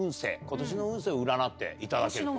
今年の運勢を占っていただけると。